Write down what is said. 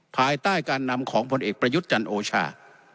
ภายใต้การนำของผลเอกประยุทธ์จันทร์โอชา